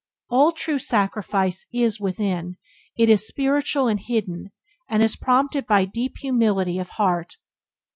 All true sacrifice is within; it is spiritual and hidden, and is prompted by deep humility of heart.